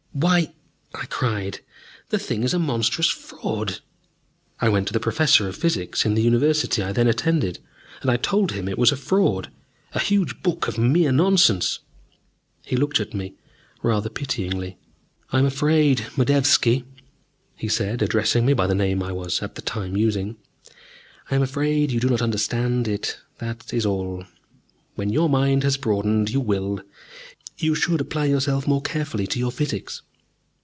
"Why," I cried, "the thing is a monstrous fraud!" I went to the professor of Physics in the University I then attended, and I told him it was a fraud, a huge book of mere nonsense. He looked at me rather pityingly. "I am afraid, Modevski," he said, addressing me by the name I was at the time using, "I am afraid you do not understand it, that is all. When your mind has broadened, you will. You should apply yourself more carefully to your Physics."